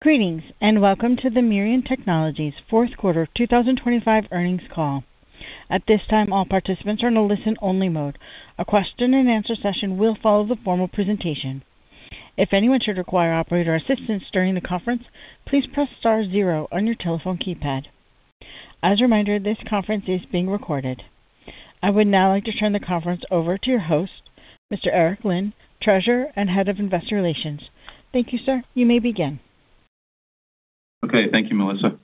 Greetings and welcome to the Mirion Technologies fourth quarter 2025 Earnings Call. At this time, all participants are in a listen-only mode. A question-and-answer session will follow the formal presentation. If anyone should require operator assistance during the conference, please press star zero on your telephone keypad. As a reminder, this conference is being recorded. I would now like to turn the conference over to your host, Mr. Eric Linn, Treasurer and Head of Investor Relations. Thank you, sir. You may begin. Okay. Thank you, Melissa.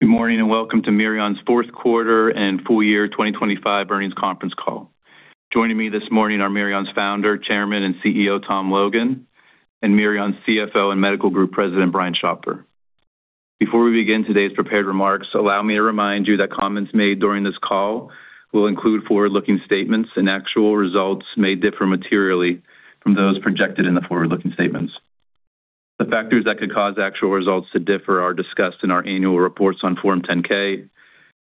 Good morning and welcome to Mirion's fourth quarter and full year 2025 earnings conference call. Joining me this morning are Mirion's founder, Chairman, and CEO Tom Logan, and Mirion's CFO and Medical Group President Brian Schopfer. Before we begin today's prepared remarks, allow me to remind you that comments made during this call will include forward-looking statements and actual results may differ materially from those projected in the forward-looking statements. The factors that could cause actual results to differ are discussed in our annual reports on Form 10-K,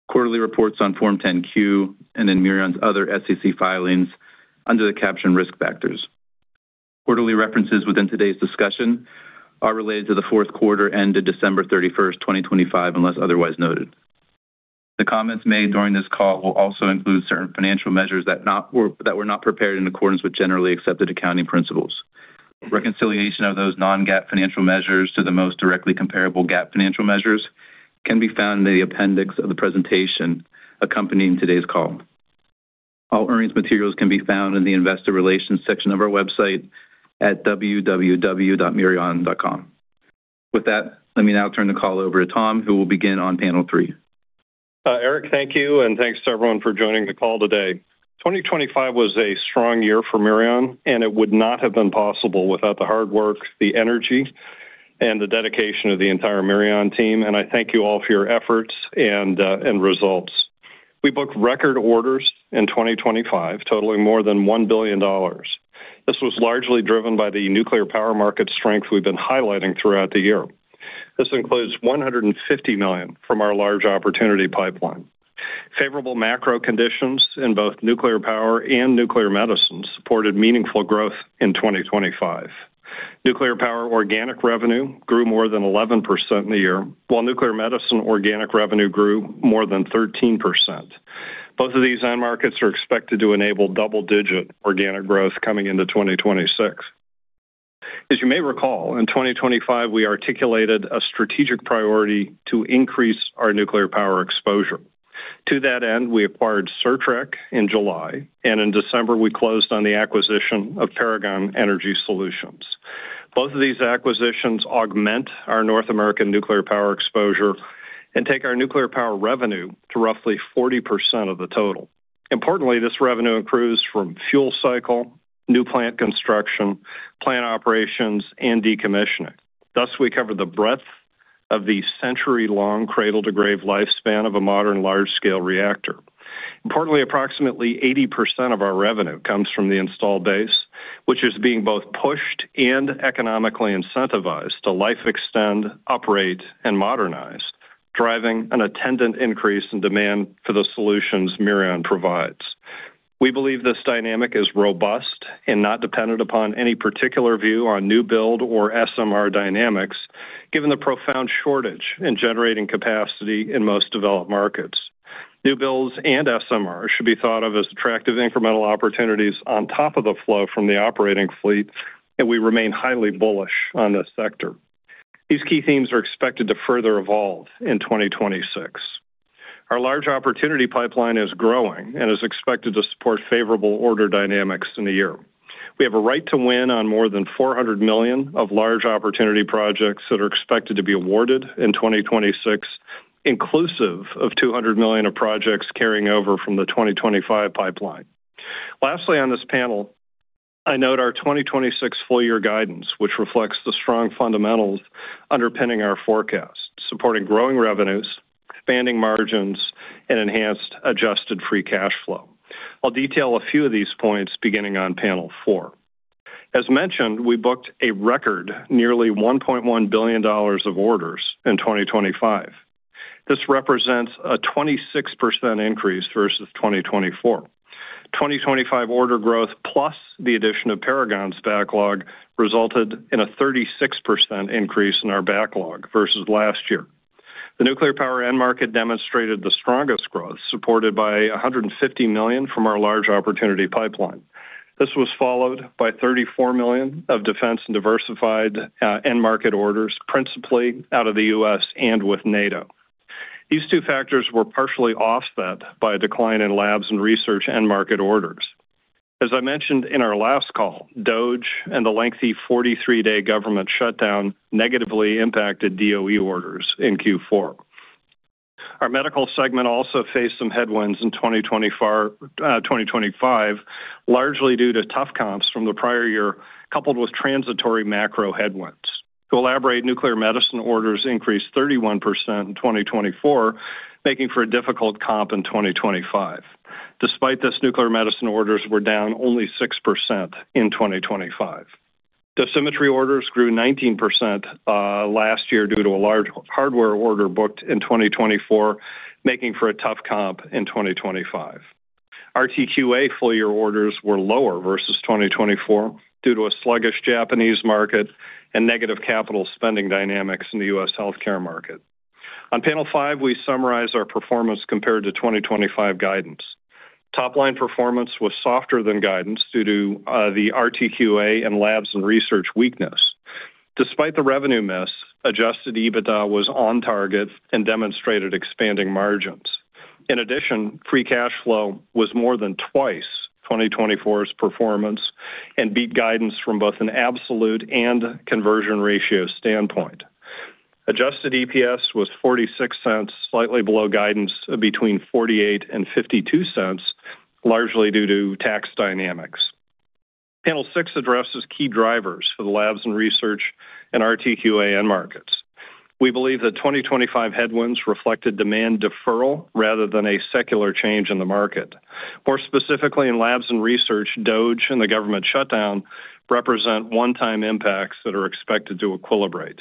quarterly reports on Form 10-Q, and in Mirion's other SEC filings under the caption Risk Factors. Quarterly references within today's discussion are related to the fourth quarter ended December 31st, 2025, unless otherwise noted. The comments made during this call will also include certain financial measures that were not prepared in accordance with Generally Accepted Accounting Principles. Reconciliation of those non-GAAP financial measures to the most directly comparable GAAP financial measures can be found in the appendix of the presentation accompanying today's call. All earnings materials can be found in the investor relations section of our website at www.mirion.com. With that, let me now turn the call over to Tom, who will begin on panel three. Eric, thank you. Thanks to everyone for joining the call today. 2025 was a strong year for Mirion, and it would not have been possible without the hard work, the energy, and the dedication of the entire Mirion team. I thank you all for your efforts and results. We booked record orders in 2025, totaling more than $1 billion. This was largely driven by the nuclear power market strength we've been highlighting throughout the year. This includes $150 million from our large opportunity pipeline. Favorable macro conditions in both nuclear power and nuclear medicine supported meaningful growth in 2025. Nuclear power organic revenue grew more than 11% in the year, while nuclear medicine organic revenue grew more than 13%. Both of these end markets are expected to enable double-digit organic growth coming into 2026. As you may recall, in 2025, we articulated a strategic priority to increase our nuclear power exposure. To that end, we acquired Certrec in July, and in December, we closed on the acquisition of Paragon Energy Solutions. Both of these acquisitions augment our North American nuclear power exposure and take our nuclear power revenue to roughly 40% of the total. Importantly, this revenue accrues from fuel cycle, new plant construction, plant operations, and decommissioning. Thus, we cover the breadth of the century-long cradle-to-grave lifespan of a modern large-scale reactor. Importantly, approximately 80% of our revenue comes from the installed base, which is being both pushed and economically incentivized to life extend, operate, and modernize, driving an attendant increase in demand for the solutions Mirion provides. We believe this dynamic is robust and not dependent upon any particular view on new build or SMR dynamics, given the profound shortage in generating capacity in most developed markets. New builds and SMR should be thought of as attractive incremental opportunities on top of the flow from the operating fleet, and we remain highly bullish on this sector. These key themes are expected to further evolve in 2026. Our large opportunity pipeline is growing and is expected to support favorable order dynamics in the year. We have a right to win on more than $400 million of large opportunity projects that are expected to be awarded in 2026, inclusive of $200 million of projects carrying over from the 2025 pipeline. Lastly, on this panel, I note our 2026 full-year guidance, which reflects the strong fundamentals underpinning our forecast, supporting growing revenues, expanding margins, and enhanced Adjusted Free Cash Flow. I'll detail a few of these points beginning on panel four. As mentioned, we booked a record nearly $1.1 billion of orders in 2025. This represents a 26% increase versus 2024. 2025 order growth plus the addition of Paragon's backlog resulted in a 36% increase in our backlog versus last year. The nuclear power end market demonstrated the strongest growth, supported by $150 million from our large opportunity pipeline. This was followed by $34 million of defense and diversified end market orders, principally out of the U.S. and with NATO. These two factors were partially offset by a decline in labs and research end market orders. As I mentioned in our last call, DOGE and the lengthy 43-day government shutdown negatively impacted DOE orders in Q4. Our medical segment also faced some headwinds in 2025, largely due to tough comps from the prior year, coupled with transitory macro headwinds. To elaborate, nuclear medicine orders increased 31% in 2024, making for a difficult comp in 2025. Despite this, nuclear medicine orders were down only 6% in 2025. Dosimetry orders grew 19% last year due to a large hardware order booked in 2024, making for a tough comp in 2025. RTQA full year orders were lower versus 2024 due to a sluggish Japanese market and negative capital spending dynamics in the U.S. healthcare market. On panel five, we summarize our performance compared to 2025 guidance. Top line performance was softer than guidance due to the RTQA and labs and research weakness. Despite the revenue miss, Adjusted EBITDA was on target and demonstrated expanding margins. In addition, free cash flow was more than twice 2024's performance and beat guidance from both an absolute and conversion ratio standpoint. Adjusted EPS was $0.46, slightly below guidance between $0.48 and $0.52, largely due to tax dynamics. Panel 6 addresses key drivers for the labs and research and RTQA end markets. We believe that 2025 headwinds reflected demand deferral rather than a secular change in the market. More specifically, in labs and research, DOGE and the government shutdown represent one-time impacts that are expected to equilibrate.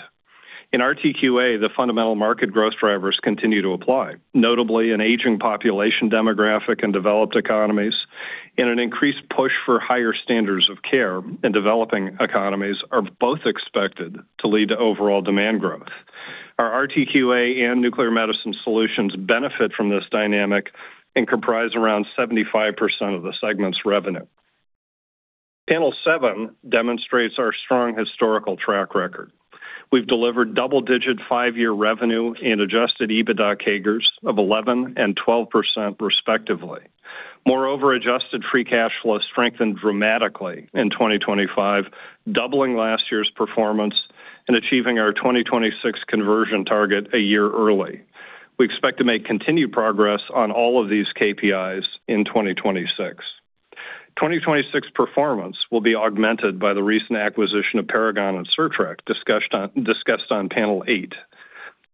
In RTQA, the fundamental market growth drivers continue to apply. Notably, an aging population demographic in developed economies and an increased push for higher standards of care in developing economies are both expected to lead to overall demand growth. Our RTQA and nuclear medicine solutions benefit from this dynamic and comprise around 75% of the segment's revenue. Panel 7 demonstrates our strong historical track record. We've delivered double-digit 5-year revenue and Adjusted EBITDA CAGRs of 11% and 12%, respectively. Moreover, adjusted free cash flow strengthened dramatically in 2025, doubling last year's performance and achieving our 2026 conversion target a year early. We expect to make continued progress on all of these KPIs in 2026. 2026 performance will be augmented by the recent acquisition of Paragon and Certrec, discussed on panel 8.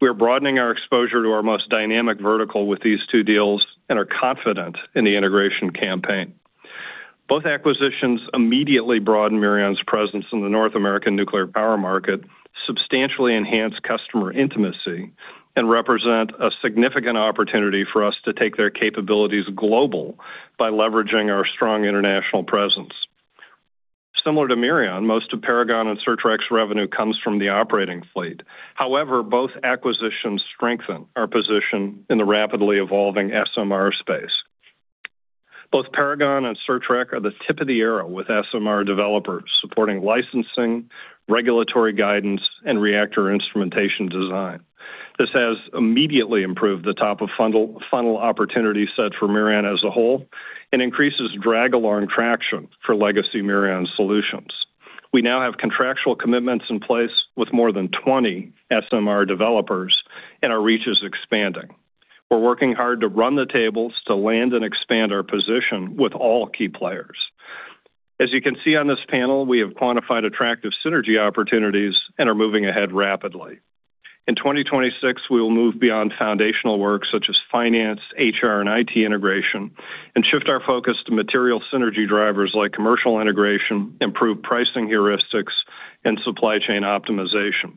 We are broadening our exposure to our most dynamic vertical with these two deals and are confident in the integration campaign. Both acquisitions immediately broaden Mirion's presence in the North American nuclear power market, substantially enhance customer intimacy, and represent a significant opportunity for us to take their capabilities global by leveraging our strong international presence. Similar to Mirion, most of Paragon and Certrec's revenue comes from the operating fleet. However, both acquisitions strengthen our position in the rapidly evolving SMR space. Both Paragon and Certrec are the tip of the arrow with SMR developers supporting licensing, regulatory guidance, and reactor instrumentation design. This has immediately improved the top-of-funnel opportunity set for Mirion as a whole and increases drag-along traction for legacy Mirion solutions. We now have contractual commitments in place with more than 20 SMR developers, and our reach is expanding. We're working hard to run the tables to land and expand our position with all key players. As you can see on this panel, we have quantified attractive synergy opportunities and are moving ahead rapidly. In 2026, we will move beyond foundational work such as finance, HR, and IT integration and shift our focus to material synergy drivers like commercial integration, improved pricing heuristics, and supply chain optimization.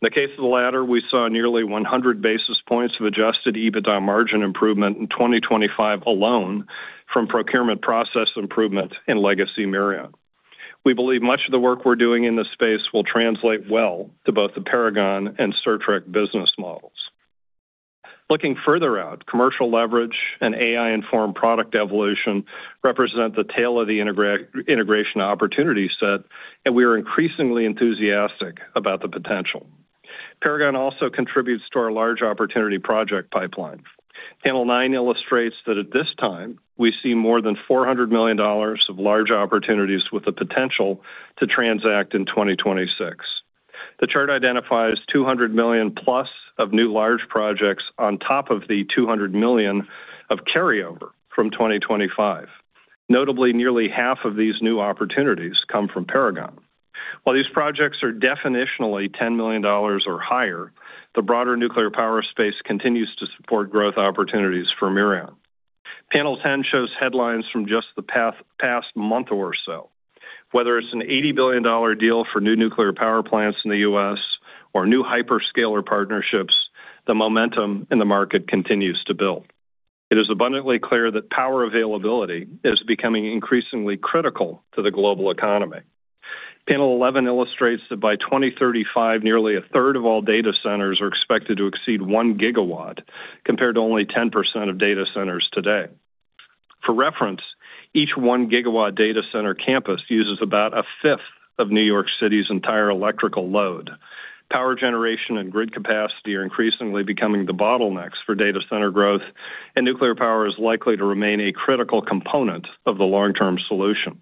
In the case of the latter, we saw nearly 100 basis points of Adjusted EBITDA margin improvement in 2025 alone from procurement process improvement in legacy Mirion. We believe much of the work we're doing in this space will translate well to both the Paragon and Certrec business models. Looking further out, commercial leverage and AI-informed product evolution represent the tail of the integration opportunity set, and we are increasingly enthusiastic about the potential. Paragon also contributes to our large opportunity project pipeline. Panel nine illustrates that at this time, we see more than $400 million of large opportunities with the potential to transact in 2026. The chart identifies $200 million+ of new large projects on top of the $200 million of carryover from 2025. Notably, nearly half of these new opportunities come from Paragon. While these projects are definitionally $10 million or higher, the broader nuclear power space continues to support growth opportunities for Mirion. Panel 10 shows headlines from just the past month or so. Whether it's an $80 billion deal for new nuclear power plants in the U.S. or new hyperscaler partnerships, the momentum in the market continues to build. It is abundantly clear that power availability is becoming increasingly critical to the global economy. Panel 11 illustrates that by 2035, nearly a third of all data centers are expected to exceed 1 gigawatt compared to only 10% of data centers today. For reference, each 1 gigawatt data center campus uses about a fifth of New York City's entire electrical load. Power generation and grid capacity are increasingly becoming the bottlenecks for data center growth, and nuclear power is likely to remain a critical component of the long-term solution.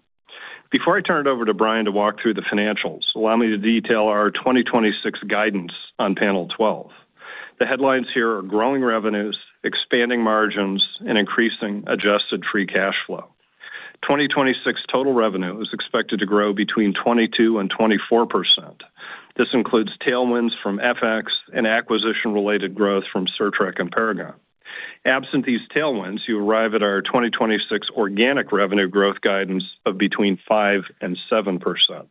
Before I turn it over to Brian to walk through the financials, allow me to detail our 2026 guidance on panel 12. The headlines here are growing revenues, expanding margins, and increasing adjusted free cash flow. 2026 total revenue is expected to grow between 22%-24%. This includes tailwinds from FX and acquisition-related growth from Certrec and Paragon. Absent these tailwinds, you arrive at our 2026 organic revenue growth guidance of between 5%-7%.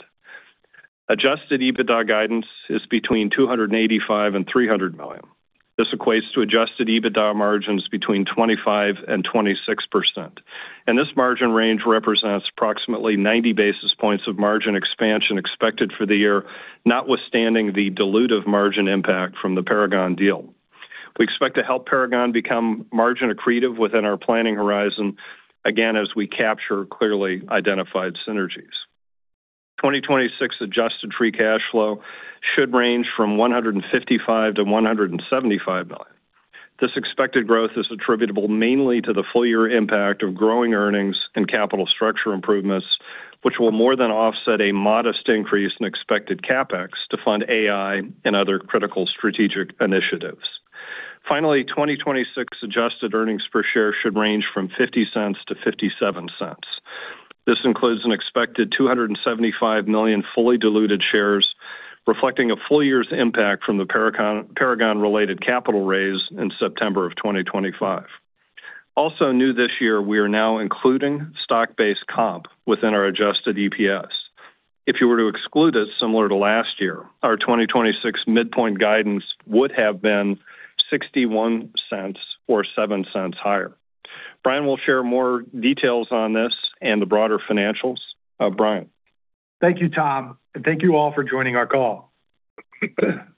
Adjusted EBITDA guidance is between $285 million-$300 million. This equates to Adjusted EBITDA margins between 25%-26%, and this margin range represents approximately 90 basis points of margin expansion expected for the year, notwithstanding the dilutive margin impact from the Paragon deal. We expect to help Paragon become margin accretive within our planning horizon, again, as we capture clearly identified synergies. 2026 adjusted free cash flow should range from $155-$175 million. This expected growth is attributable mainly to the full year impact of growing earnings and capital structure improvements, which will more than offset a modest increase in expected CapEx to fund AI and other critical strategic initiatives. Finally, 2026 adjusted earnings per share should range from $0.50-$0.57. This includes an expected 275 million fully diluted shares, reflecting a full year's impact from the Paragon-related capital raise in September of 2025. Also, new this year, we are now including stock-based comp within our Adjusted EPS. If you were to exclude it, similar to last year, our 2026 midpoint guidance would have been $0.61 or $0.07 higher. Brian will share more details on this and the broader financials. Brian. Thank you, Tom, and thank you all for joining our call.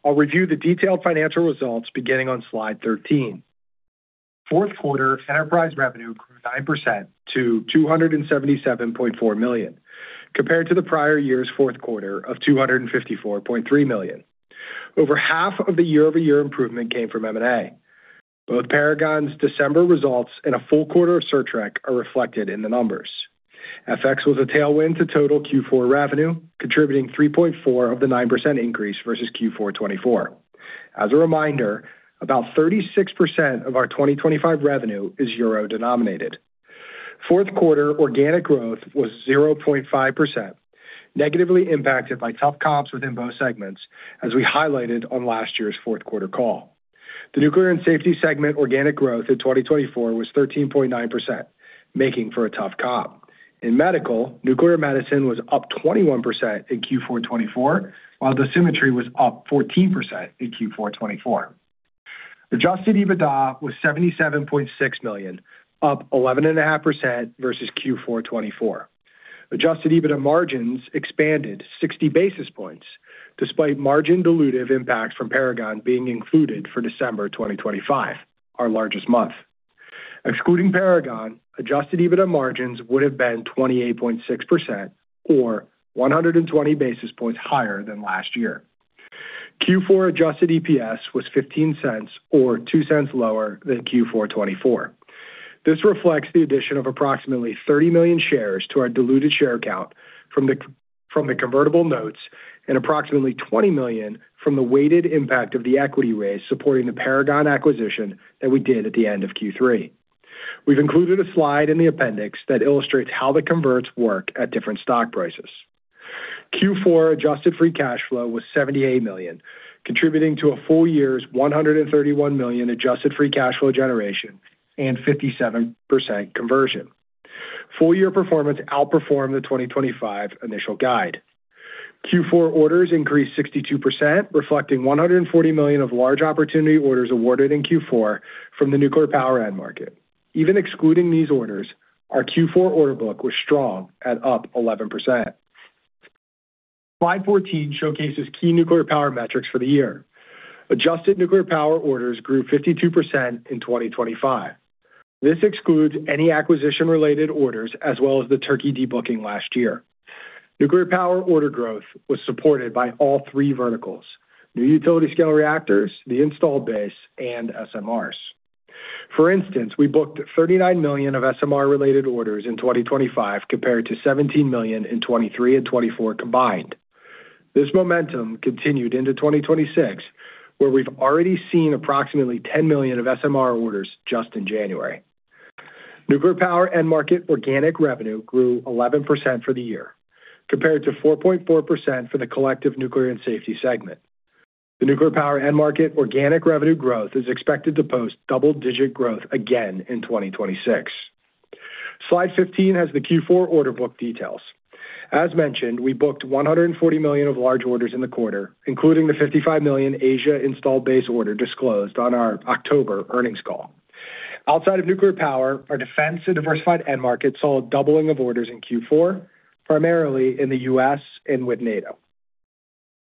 I'll review the detailed financial results beginning on slide 13. Fourth quarter enterprise revenue grew 9% to $277.4 million, compared to the prior year's fourth quarter of $254.3 million. Over half of the year-over-year improvement came from M&A. Both Paragon's December results and a full quarter of Certrec are reflected in the numbers. FX was a tailwind to total Q4 revenue, contributing 3.4% of the 9% increase versus Q4 2024. As a reminder, about 36% of our 2025 revenue is euro-denominated. Fourth quarter organic growth was 0.5%, negatively impacted by tough comps within both segments, as we highlighted on last year's fourth quarter call. The nuclear and safety segment organic growth in 2024 was 13.9%, making for a tough comp. In medical, nuclear medicine was up 21% in Q4 2024, while dosimetry was up 14% in Q4 2024. Adjusted EBITDA was $77.6 million, up 11.5% versus Q4 2024. Adjusted EBITDA margins expanded 60 basis points, despite margin dilutive impacts from Paragon being included for December 2025, our largest month. Excluding Paragon, Adjusted EBITDA margins would have been 28.6% or 120 basis points higher than last year. Q4 Adjusted EPS was $0.15 or two cents lower than Q4 2024. This reflects the addition of approximately 30 million shares to our diluted share count from the convertible notes and approximately 20 million from the weighted impact of the equity raise supporting the Paragon acquisition that we did at the end of Q3. We've included a slide in the appendix that illustrates how the converts work at different stock prices. Q4 adjusted free cash flow was $78 million, contributing to a full year's $131 million adjusted free cash flow generation and 57% conversion. Full year performance outperformed the 2025 initial guide. Q4 orders increased 62%, reflecting $140 million of large opportunity orders awarded in Q4 from the nuclear power end market. Even excluding these orders, our Q4 order book was strong at up 11%. Slide 14 showcases key nuclear power metrics for the year. Adjusted nuclear power orders grew 52% in 2025. This excludes any acquisition-related orders as well as the Turkey debooking last year. Nuclear power order growth was supported by all three verticals: new utility-scale reactors, the installed base, and SMRs. For instance, we booked $39 million of SMR-related orders in 2025 compared to $17 million in 2023 and 2024 combined. This momentum continued into 2026, where we've already seen approximately $10 million of SMR orders just in January. Nuclear power end market organic revenue grew 11% for the year, compared to 4.4% for the collective nuclear and safety segment. The nuclear power end market organic revenue growth is expected to post double-digit growth again in 2026. Slide 15 has the Q4 order book details. As mentioned, we booked $140 million of large orders in the quarter, including the $55 million Asia installed base order disclosed on our October earnings call. Outside of nuclear power, our defense and diversified end market saw a doubling of orders in Q4, primarily in the U.S. and with NATO.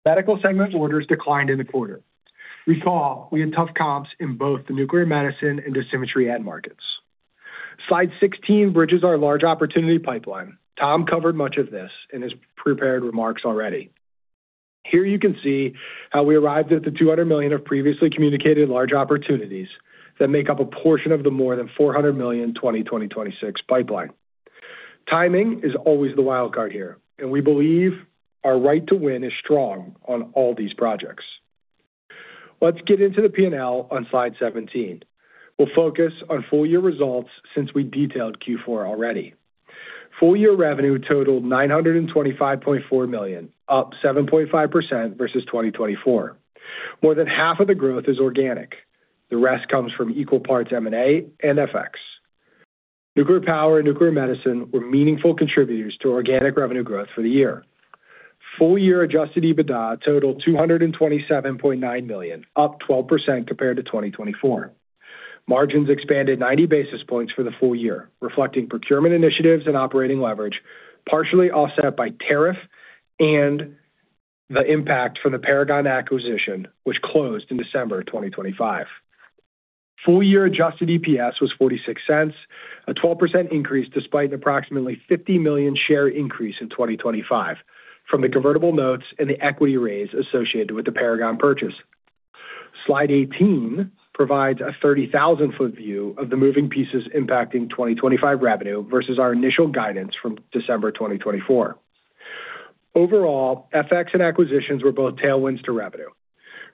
Medical segment orders declined in the quarter. Recall, we had tough comps in both the nuclear medicine and dosimetry end markets. Slide 16 bridges our large opportunity pipeline. Tom covered much of this in his prepared remarks already. Here, you can see how we arrived at the $200 million of previously communicated large opportunities that make up a portion of the more than $400 million 2026 pipeline. Timing is always the wildcard here, and we believe our right to win is strong on all these projects. Let's get into the P&L on slide 17. We'll focus on full year results since we detailed Q4 already. Full year revenue totaled $925.4 million, up 7.5% versus 2024. More than half of the growth is organic. The rest comes from equal parts M&A and FX. Nuclear power and nuclear medicine were meaningful contributors to organic revenue growth for the year. Full year Adjusted EBITDA totaled $227.9 million, up 12% compared to 2024. Margins expanded 90 basis points for the full year, reflecting procurement initiatives and operating leverage partially offset by tariff and the impact from the Paragon acquisition, which closed in December 2025. Full year Adjusted EPS was $0.46, a 12% increase despite an approximately 50 million share increase in 2025 from the convertible notes and the equity raise associated with the Paragon purchase. Slide 18 provides a 30,000-foot view of the moving pieces impacting 2025 revenue versus our initial guidance from December 2024. Overall, FX and acquisitions were both tailwinds to revenue.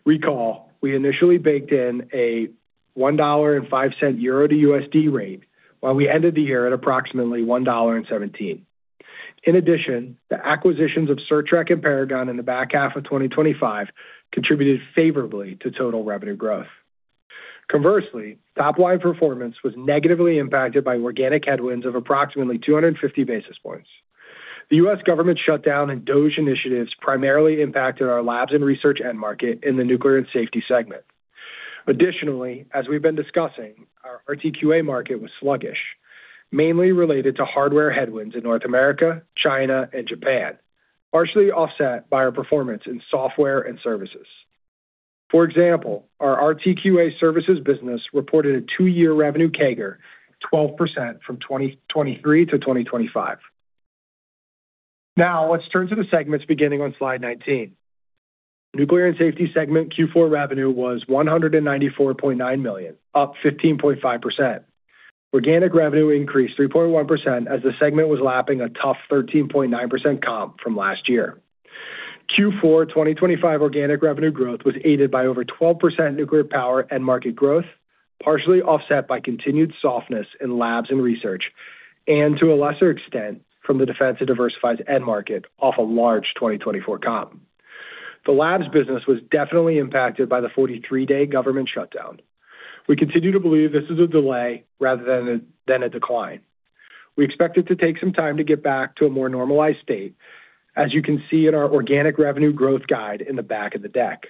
Recall, we initially baked in a $1.05 euro to USD rate while we ended the year at approximately $1.17. In addition, the acquisitions of Certrec and Paragon in the back half of 2025 contributed favorably to total revenue growth. Conversely, top-line performance was negatively impacted by organic headwinds of approximately 250 basis points. The U.S. government shutdown and DOGE initiatives primarily impacted our labs and research end market in the nuclear and safety segment. Additionally, as we've been discussing, our RTQA market was sluggish, mainly related to hardware headwinds in North America, China, and Japan, partially offset by our performance in software and services. For example, our RTQA services business reported a 2-year revenue CAGR of 12% from 2023 to 2025. Now, let's turn to the segments beginning on slide 19. Nuclear and safety segment Q4 revenue was $194.9 million, up 15.5%. Organic revenue increased 3.1% as the segment was lapping a tough 13.9% comp from last year. Q4 2025 organic revenue growth was aided by over 12% nuclear power end market growth, partially offset by continued softness in labs and research, and to a lesser extent from the defense and diversified end market off a large 2024 comp. The labs business was definitely impacted by the 43-day government shutdown. We continue to believe this is a delay rather than a decline. We expect it to take some time to get back to a more normalized state, as you can see in our organic revenue growth guide in the back of the deck.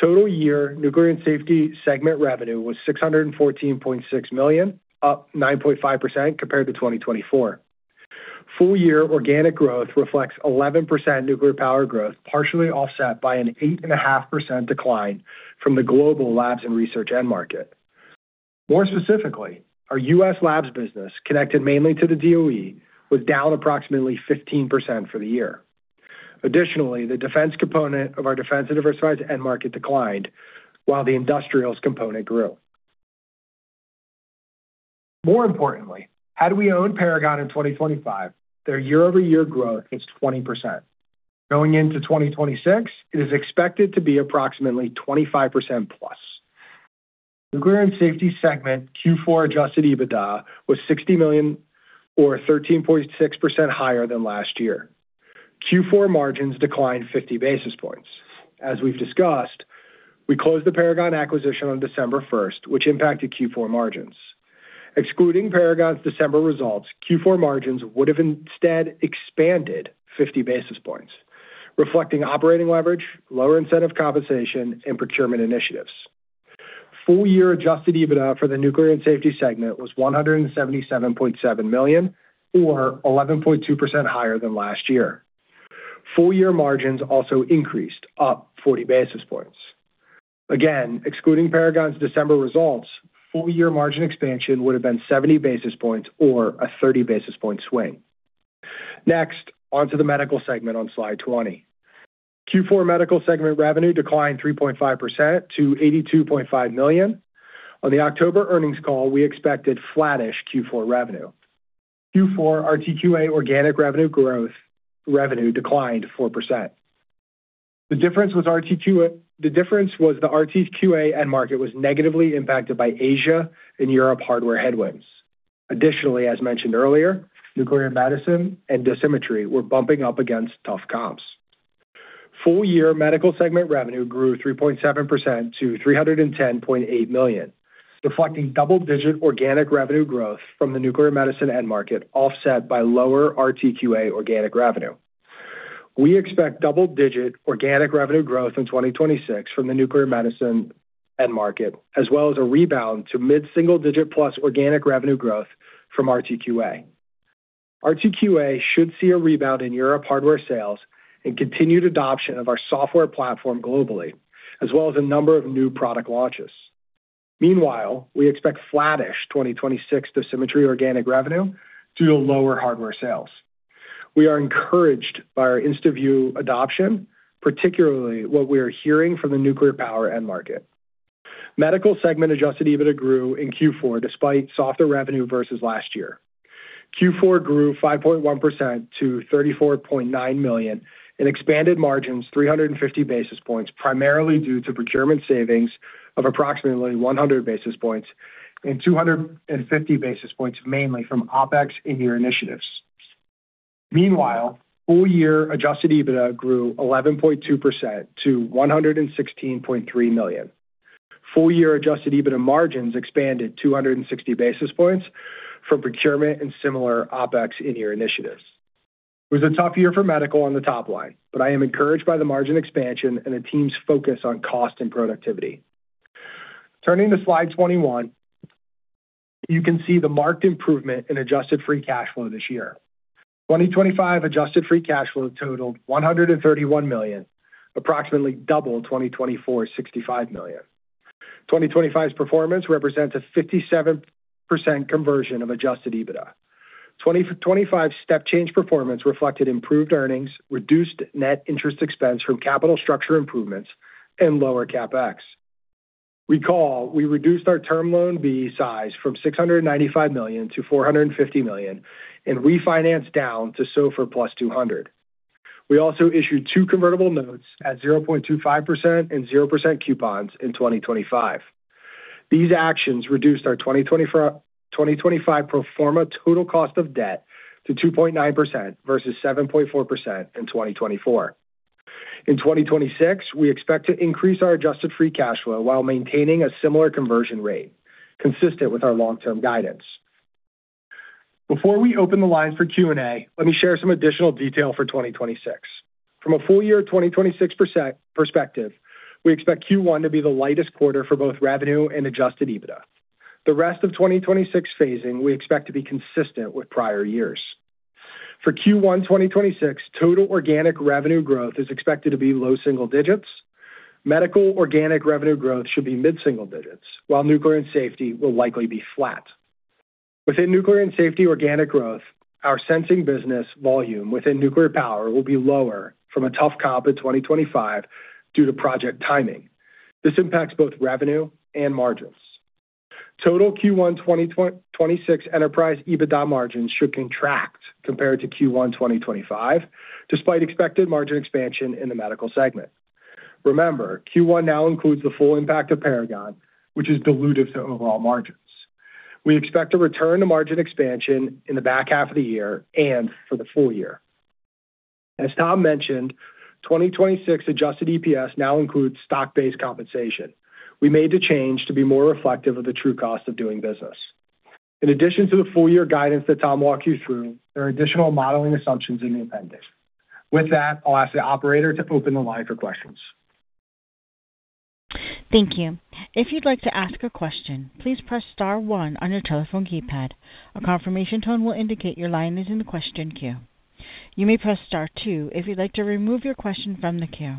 Total year nuclear and safety segment revenue was $614.6 million, up 9.5% compared to 2024. Full year organic growth reflects 11% nuclear power growth, partially offset by an 8.5% decline from the global labs and research end market. More specifically, our U.S. labs business, connected mainly to the DOE, was down approximately 15% for the year. Additionally, the defense component of our defense and diversified end market declined, while the industrials component grew. More importantly, had we owned Paragon in 2025, their year-over-year growth was 20%. Going into 2026, it is expected to be approximately 25%+. Nuclear and safety segment Q4 Adjusted EBITDA was $60 million or 13.6% higher than last year. Q4 margins declined 50 basis points. As we've discussed, we closed the Paragon acquisition on December 1st, which impacted Q4 margins. Excluding Paragon's December results, Q4 margins would have instead expanded 50 basis points, reflecting operating leverage, lower incentive compensation, and procurement initiatives. Full year Adjusted EBITDA for the nuclear and safety segment was $177.7 million or 11.2% higher than last year. Full year margins also increased, up 40 basis points. Again, excluding Paragon's December results, full year margin expansion would have been 70 basis points or a 30 basis point swing. Next, onto the medical segment on slide 20. Q4 medical segment revenue declined 3.5% to $82.5 million. On the October earnings call, we expected flat-ish Q4 revenue. Q4 RTQA organic revenue growth declined 4%. The difference was the RTQA end market was negatively impacted by Asia and Europe hardware headwinds. Additionally, as mentioned earlier, nuclear medicine and dosimetry were bumping up against tough comps. Full year medical segment revenue grew 3.7% to $310.8 million, reflecting double-digit organic revenue growth from the nuclear medicine end market offset by lower RTQA organic revenue. We expect double-digit organic revenue growth in 2026 from the nuclear medicine end market, as well as a rebound to mid-single-digit plus organic revenue growth from RTQA. RTQA should see a rebound in Europe hardware sales and continued adoption of our software platform globally, as well as a number of new product launches. Meanwhile, we expect flat-ish 2026 dosimetry organic revenue due to lower hardware sales. We are encouraged by our InstadoseVUE adoption, particularly what we are hearing from the nuclear power end market. Medical segment Adjusted EBITDA grew in Q4 despite softer revenue versus last year. Q4 grew 5.1% to $34.9 million and expanded margins 350 basis points, primarily due to procurement savings of approximately 100 basis points and 250 basis points mainly from OpEx in-year initiatives. Meanwhile, full year Adjusted EBITDA grew 11.2% to $116.3 million. Full year Adjusted EBITDA margins expanded 260 basis points from procurement and similar OpEx in-year initiatives. It was a tough year for medical on the top line, but I am encouraged by the margin expansion and the team's focus on cost and productivity. Turning to slide 21, you can see the marked improvement in adjusted free cash flow this year. 2025 Adjusted free cash flow totaled $131 million, approximately double 2024's $65 million. 2025's performance represents a 57% conversion of Adjusted EBITDA. 2025's step-change performance reflected improved earnings, reduced net interest expense from capital structure improvements, and lower CapEx. Recall, we reduced our Term Loan B size from $695 million to $450 million and refinanced down to SOFR plus 200. We also issued two convertible notes at 0.25% and 0% coupons in 2025. These actions reduced our 2025 pro forma total cost of debt to 2.9% versus 7.4% in 2024. In 2026, we expect to increase our adjusted free cash flow while maintaining a similar conversion rate, consistent with our long-term guidance. Before we open the lines for Q&A, let me share some additional detail for 2026. From a full year 2026 perspective, we expect Q1 to be the lightest quarter for both revenue and adjusted EBITDA. The rest of 2026 phasing we expect to be consistent with prior years. For Q1 2026, total organic revenue growth is expected to be low single digits. Medical organic revenue growth should be mid-single digits, while nuclear and safety will likely be flat. Within nuclear and safety organic growth, our sensing business volume within nuclear power will be lower from a tough comp in 2025 due to project timing. This impacts both revenue and margins. Total Q1 2026 enterprise EBITDA margins should contract compared to Q1 2025, despite expected margin expansion in the medical segment. Remember, Q1 now includes the full impact of Paragon, which is dilutive to overall margins. We expect a return to margin expansion in the back half of the year and for the full year. As Tom mentioned, 2026 Adjusted EPS now includes stock-based compensation. We made the change to be more reflective of the true cost of doing business. In addition to the full year guidance that Tom walked you through, there are additional modeling assumptions in the appendix. With that, I'll ask the operator to open the line for questions. Thank you. If you'd like to ask a question, please press star one on your telephone keypad. A confirmation tone will indicate your line is in the question queue. You may press star two if you'd like to remove your question from the queue.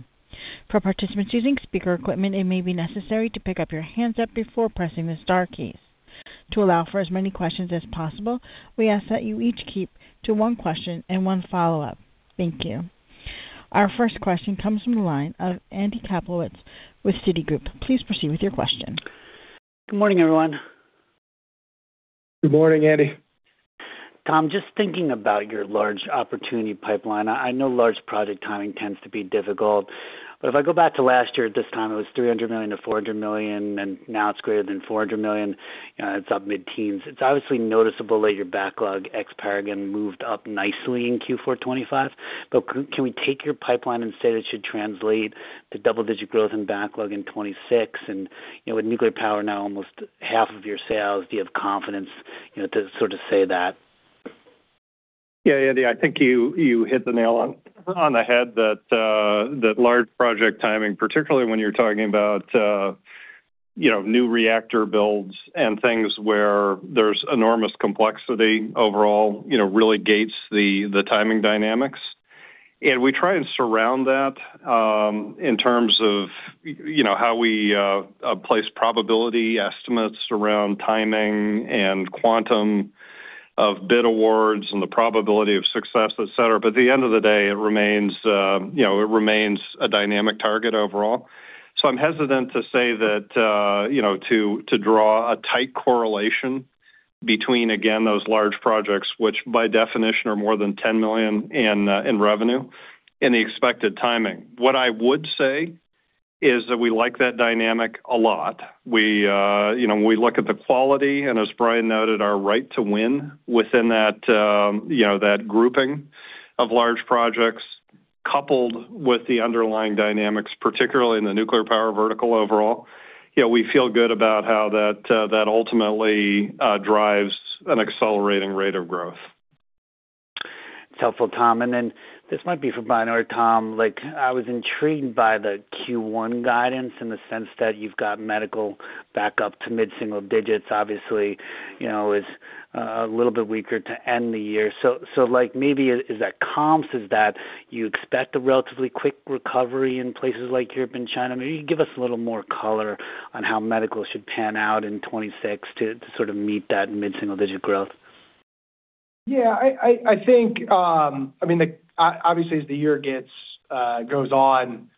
For participants using speaker equipment, it may be necessary to pick up your handset before pressing the star keys. To allow for as many questions as possible, we ask that you each keep to one question and one follow-up. Thank you. Our first question comes from the line of Andy Kaplowitz with Citigroup. Please proceed with your question. Good morning, everyone. Good morning, Andy. Tom, just thinking about your large opportunity pipeline, I know large project timing tends to be difficult, but if I go back to last year, at this time it was $300 million-$400 million, and now it's greater than $400 million. It's up mid-teens. It's obviously noticeable that your backlog ex-Paragon moved up nicely in Q4 2025, but can we take your pipeline and say that should translate to double-digit growth and backlog in 2026? And with nuclear power now almost half of your sales, do you have confidence to sort of say that? Yeah, Andy. I think you hit the nail on the head that large project timing, particularly when you're talking about new reactor builds and things where there's enormous complexity overall, really gates the timing dynamics. And we try and surround that in terms of how we place probability estimates around timing and quantum of bid awards and the probability of success, etc. But at the end of the day, it remains a dynamic target overall. So I'm hesitant to say that to draw a tight correlation between, again, those large projects, which by definition are more than $10 million in revenue, and the expected timing. What I would say is that we like that dynamic a lot. We look at the quality and, as Brian noted, our right to win within that grouping of large projects, coupled with the underlying dynamics, particularly in the nuclear power vertical overall, we feel good about how that ultimately drives an accelerating rate of growth. It's helpful, Tom. And then this might be for Brian or Tom. I was intrigued by the Q1 guidance in the sense that you've got medical back up to mid-single digits. Obviously, it's a little bit weaker to end the year. So maybe is that comps is that you expect a relatively quick recovery in places like Europe and China? Maybe you can give us a little more color on how medical should pan out in 2026 to sort of meet that mid-single digit growth. Yeah. I think I mean, obviously, as the year goes on,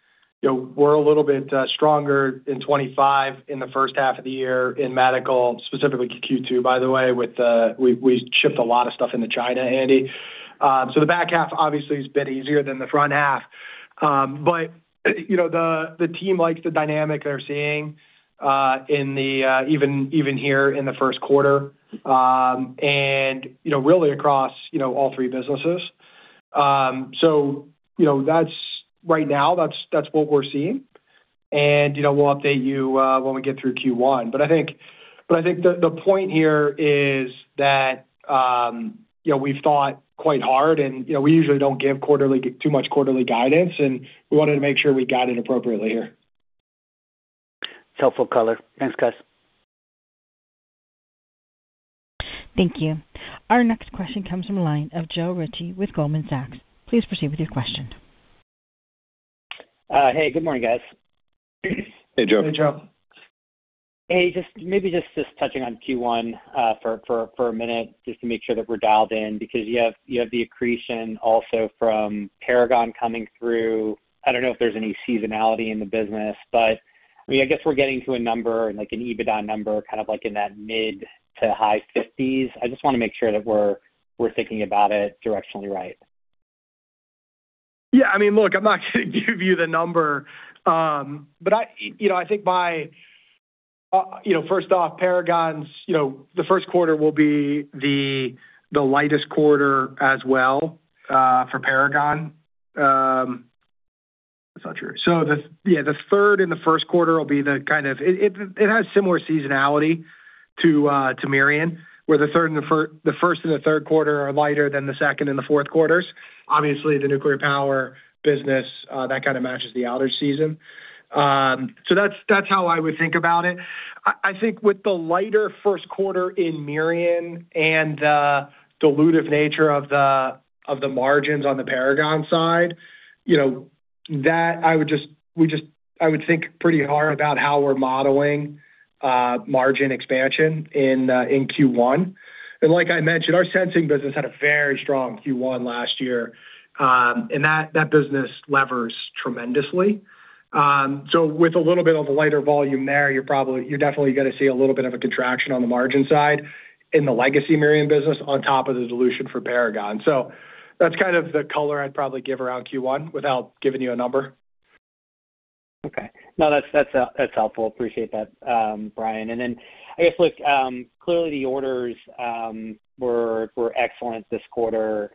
we're a little bit stronger in 2025 in the first half of the year in medical, specifically Q2, by the way, with we shipped a lot of stuff into China, Andy. So the back half obviously has been easier than the front half. But the team likes the dynamic they're seeing even here in the first quarter and really across all three businesses. So right now, that's what we're seeing. And we'll update you when we get through Q1. But I think the point here is that we've thought quite hard, and we usually don't give too much quarterly guidance, and we wanted to make sure we guided appropriately here. It's helpful color. Thanks, guys. Thank you. Our next question comes from a line of Joe Ritchie with Goldman Sachs. Please proceed with your question. Hey, good morning, guys. Hey, Joe. Hey, Joe. Hey, maybe just touching on Q1 for a minute, just to make sure that we're dialed in, because you have the accretion also from Paragon coming through. I don't know if there's any seasonality in the business, but I mean, I guess we're getting to a number, an EBITDA number, kind of in that mid- to high 50s. I just want to make sure that we're thinking about it directionally right. Yeah. I mean, look, I'm not going to give you the number, but I think by first off, Paragon's first quarter will be the lightest quarter as well for Paragon. That's not true. So yeah, the third and the first quarter will be the kind of it has similar seasonality to Mirion, where the first and the third quarter are lighter than the second and the fourth quarters. Obviously, the nuclear power business, that kind of matches the outage season. So that's how I would think about it. I think with the lighter first quarter in Mirion and the dilutive nature of the margins on the Paragon side, I would just we just I would think pretty hard about how we're modeling margin expansion in Q1. And like I mentioned, our sensing business had a very strong Q1 last year, and that business levers tremendously. So with a little bit of a lighter volume there, you're definitely going to see a little bit of a contraction on the margin side in the legacy Mirion business on top of the dilution for Paragon. So that's kind of the color I'd probably give around Q1 without giving you a number. Okay. No, that's helpful. Appreciate that, Brian. And then I guess, look, clearly the orders were excellent this quarter,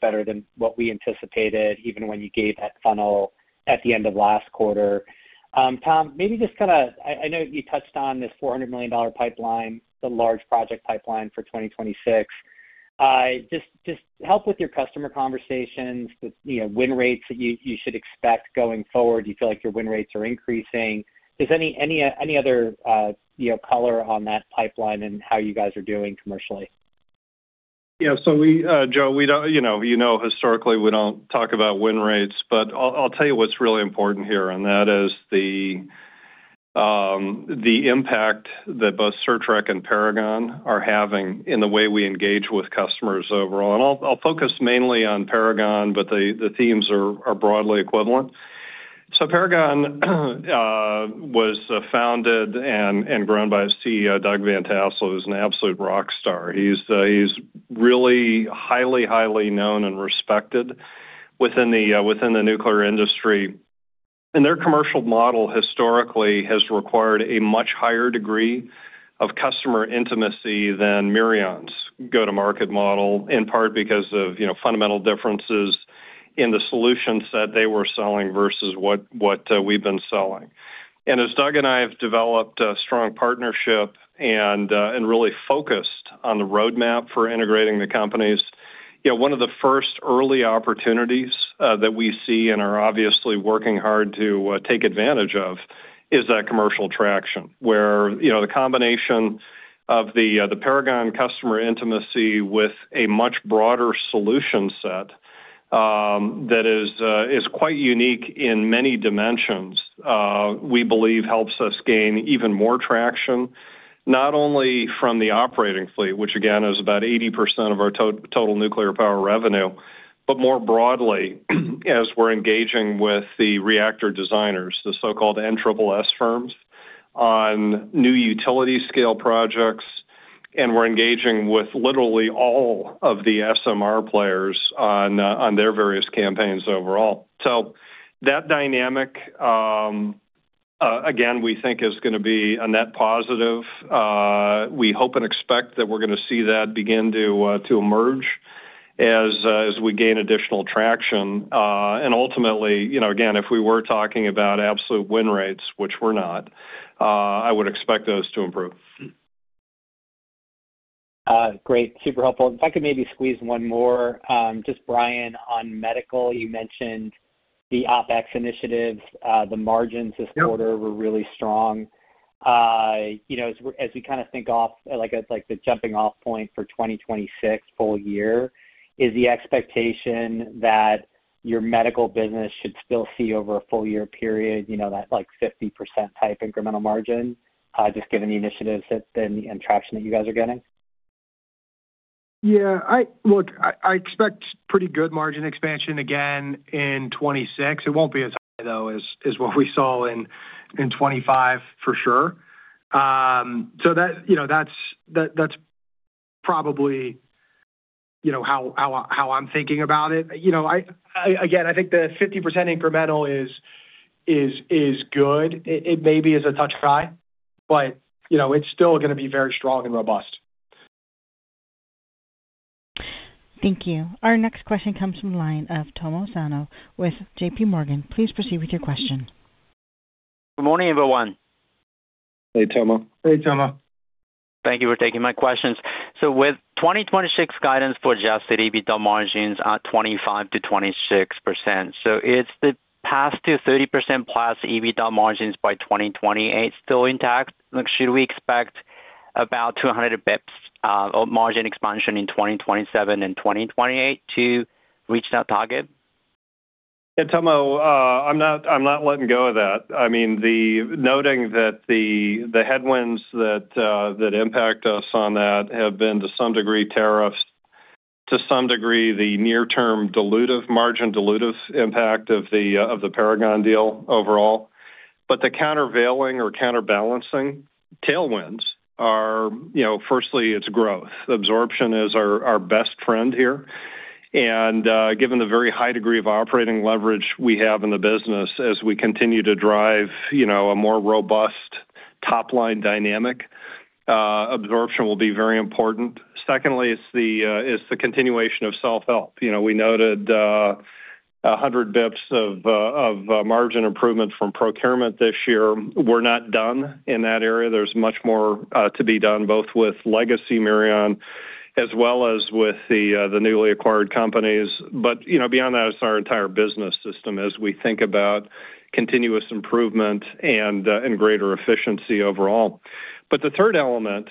better than what we anticipated, even when you gave that funnel at the end of last quarter. Tom, maybe just kind of, I know you touched on this $400 million pipeline, the large project pipeline for 2026. Just help with your customer conversations, the win rates that you should expect going forward. Do you feel like your win rates are increasing? Is there any other color on that pipeline and how you guys are doing commercially? Yeah. So Joe, you know historically we don't talk about win rates, but I'll tell you what's really important here, and that is the impact that both Certrec and Paragon are having in the way we engage with customers overall. And I'll focus mainly on Paragon, but the themes are broadly equivalent. So Paragon was founded and grown by its CEO, Doug VanTassell, who's an absolute rock star. He's really highly, highly known and respected within the nuclear industry. And their commercial model historically has required a much higher degree of customer intimacy than Mirion's go-to-market model, in part because of fundamental differences in the solution set they were selling versus what we've been selling. As Doug and I have developed a strong partnership and really focused on the roadmap for integrating the companies, one of the first early opportunities that we see and are obviously working hard to take advantage of is that commercial traction, where the combination of the Paragon customer intimacy with a much broader solution set that is quite unique in many dimensions, we believe, helps us gain even more traction, not only from the operating fleet, which again is about 80% of our total nuclear power revenue, but more broadly as we're engaging with the reactor designers, the so-called NSSS firms, on new utility-scale projects, and we're engaging with literally all of the SMR players on their various campaigns overall. So that dynamic, again, we think is going to be a net positive. We hope and expect that we're going to see that begin to emerge as we gain additional traction. Ultimately, again, if we were talking about absolute win rates, which we're not, I would expect those to improve. Great. Super helpful. If I could maybe squeeze one more, just Brian, on medical, you mentioned the OpEx initiatives. The margins this quarter were really strong. As we kind of think of, like the jumping-off point for 2026 full year, is the expectation that your medical business should still see over a full-year period that 50% type incremental margin, just given the initiatives and traction that you guys are getting? Yeah. Look, I expect pretty good margin expansion again in 2026. It won't be as high, though, as what we saw in 2025 for sure. So that's probably how I'm thinking about it. Again, I think the 50% incremental is good. It maybe is a touch high, but it's still going to be very strong and robust. Thank you. Our next question comes from a line of Tomo Osano with JP Morgan. Please proceed with your question. Good morning, everyone. Hey, Tomo. Hey, Tomo. Thank you for taking my questions. With 2026 guidance for just EBITDA margins at 25%-26%, is the past 230%+ EBITDA margins by 2028 still intact? Should we expect about 200 basis points of margin expansion in 2027 and 2028 to reach that target? Yeah, Tomo, I'm not letting go of that. I mean, noting that the headwinds that impact us on that have been to some degree tariffs, to some degree the near-term margin dilutive impact of the Paragon deal overall. But the countervailing or counterbalancing tailwinds are, firstly, it's growth. Absorption is our best friend here. And given the very high degree of operating leverage we have in the business, as we continue to drive a more robust top-line dynamic, absorption will be very important. Secondly, it's the continuation of self-help. We noted 100 basis points of margin improvement from procurement this year. We're not done in that area. There's much more to be done, both with legacy Mirion as well as with the newly acquired companies. But beyond that, it's our entire business system as we think about continuous improvement and greater efficiency overall. But the third element,